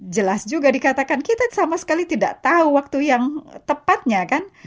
jelas juga dikatakan kita sama sekali tidak tahu waktu yang tepatnya kan